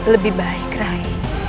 lebih baik rai